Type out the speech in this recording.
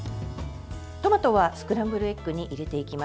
トマトはスクランブルエッグに入れていきます。